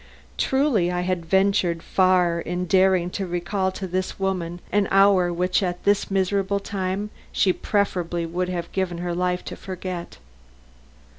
Truly, I had ventured far in daring to recall to this woman an hour which at this miserable time she probably would give her very life to forget.